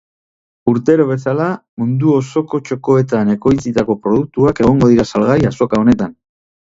Urtero bezala, mundu osoko txokoetan ekoitzitako produktuak egongo dira salgai azoka honetan.